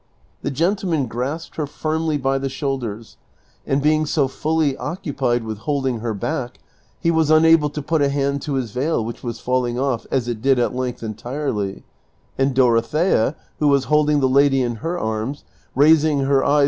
The gentleman grasped her firmly by the shoiilders, and being so fully occupied with holding her back, he was unable to put a hand to his veil which was falling off, as it did at length entirely, and Doro thea, who was holding the lady in her arms, raising her eyes 310 DON QUIXOTE.